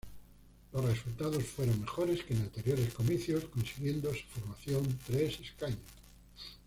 Los resultados fueron mejores que en anteriores comicios, consiguiendo su formación tres escaños.